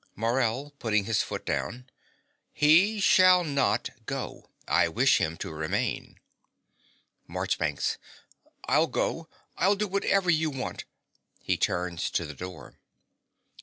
MORELL (putting his foot down). He shall not go. I wish him to remain. MARCHBANKS. I'll go. I'll do whatever you want. (He turns to the door.)